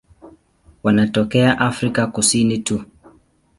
Wanatokea Afrika Kusini tu.